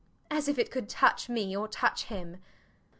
As if it could touch me, or touch him!